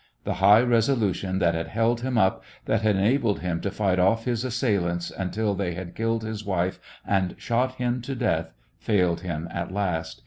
The high resolution that had held him up, that had enabled him to fight off his assailants until they had killed his wife and shot him to death, failed him at last.